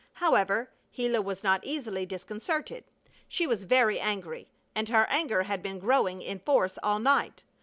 However, Gila was not easily disconcerted. She was very angry, and her anger had been growing in force all night.